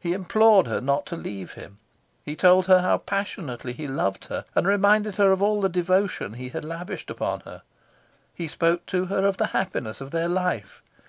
He implored her not to leave him. He told her how passionately he loved her, and reminded her of all the devotion he had lavished upon her. He spoke to her of the happiness of their life.